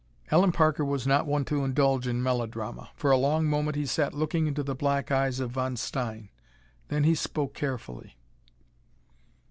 Allen Parker was not one to indulge in melodrama. For a long moment he sat looking into the black eyes of Von Stein. Then he spoke carefully.